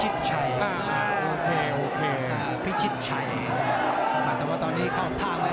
แต่ว่าตอนนี้เข้าทางไง